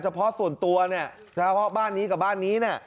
เพาะส่วนตัวเนี่ยเฉพาะบ้านนี้กับบ้านนี้เนี่ย